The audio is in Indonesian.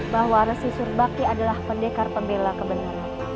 bahwa resi surbaki adalah pendekar pembela kebenaran